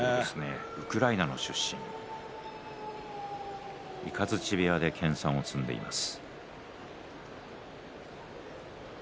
ウクライナ出身で雷部屋で研さんを積んでいます。